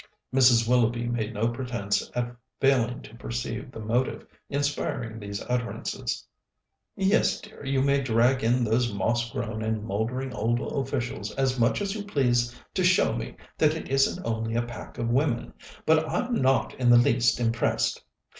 Mrs. Willoughby made no pretence at failing to perceive the motive inspiring these utterances. "Yes, dear, you may drag in those moss grown and mouldering old officials as much as you please to show me that it isn't only a pack of women, but I'm not in the least impressed.